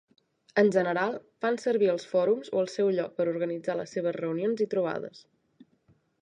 En general, fan servir els fòrums o el seu lloc per organitzar les seves reunions i trobades.